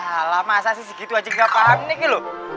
alah masa sih segitu aja gak paham nih